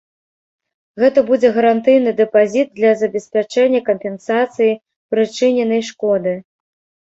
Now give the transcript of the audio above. Гэта будзе гарантыйны дэпазіт для забеспячэння кампенсацыі прычыненай шкоды.